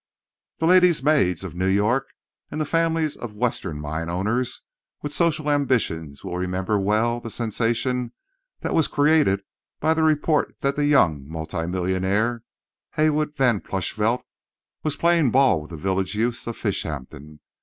The ladies' maids of New York and the families of Western mine owners with social ambitions will remember well the sensation that was created by the report that the young multi millionaire, Haywood Van Plushvelt, was playing ball with the village youths of Fishampton.